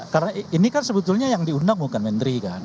karena ini kan sebetulnya yang diundang bukan menteri kan